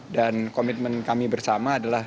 dan komitmen kami bersama adalah